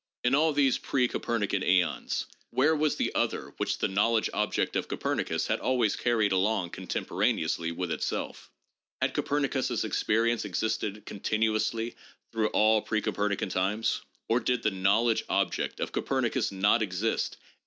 In all these pre Copernican aeons, where was that "other" which the " knowledge object " of Copernicus had always carried along " contemporaneously with itself "? Had Copernicus's expe rience existed continuously through all pre Copernican times? Or did the " knowledge object " of Copernicus not exist except No. 3.